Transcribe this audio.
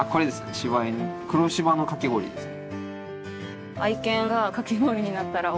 柴犬黒柴のかき氷ですね。